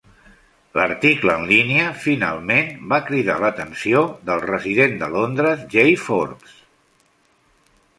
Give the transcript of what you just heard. L'article en línia finalment va cridar l'atenció del resident de Londres Jay Forbes.